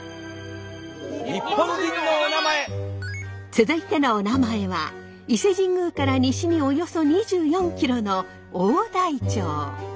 続いてのおなまえは伊勢神宮から西におよそ２４ｋｍの大台町。